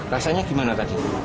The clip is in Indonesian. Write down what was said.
rasanya gimana tadi